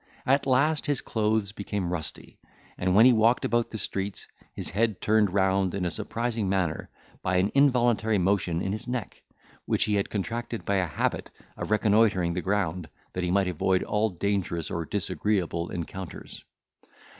At last, his clothes became rusty; and when he walked about the streets, his head turned round in a surprising manner, by an involuntary motion in his neck, which he had contracted by a habit of reconnoitring the ground, that he might avoid all dangerous or disagreeable encounters.